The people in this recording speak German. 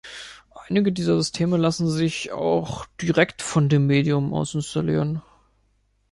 Einige dieser Systeme lassen sich auch direkt von dem Medium aus installieren.